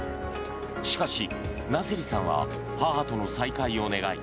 しかし、ナセリさんは母との再会を願い